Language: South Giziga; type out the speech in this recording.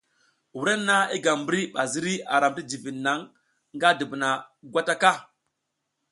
Wrenna i gam mbri ba ziri a ram ti jivid naŋ nga dubuna gwata ka.